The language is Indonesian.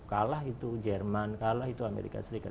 kalah itu jerman kalah itu amerika serikat